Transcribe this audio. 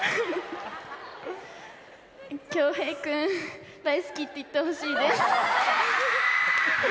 恭平君、大好きって言ってほしいです。